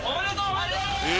ありがとうございます！